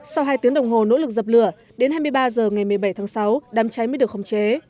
sau hai tiếng đồng hồ nỗ lực dập lửa đến hai mươi ba h ngày một mươi bảy tháng sáu đám cháy mới được khống chế